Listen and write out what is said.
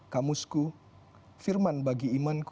kamusku firman bagi imanku